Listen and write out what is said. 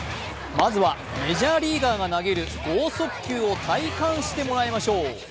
まずはメジャーリーガーが投げる剛速球を体感してもらいましょう。